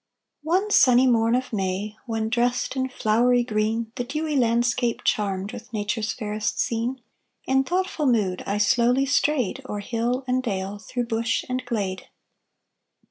One sunny morn of May, When dressed in flowery green The dewy landscape, charmed With Nature's fairest scene, In thoughtful mood I slowly strayed O'er hill and dale, Through bush and glade.